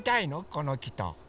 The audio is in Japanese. この木と。